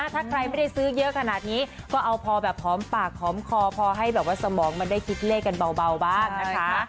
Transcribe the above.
ถ้าใครไม่ได้ซื้อเยอะขนาดนี้ก็เอาพอแบบหอมปากหอมคอพอให้แบบว่าสมองมันได้คิดเลขกันเบาบ้างนะคะ